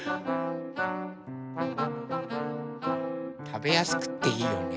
たべやすくていいよね。